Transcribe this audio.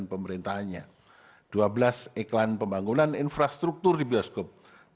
sebelas pembangunan infrastruktur di bioskop